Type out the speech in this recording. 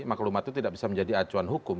maklumat itu tidak bisa menjadi acuan hukum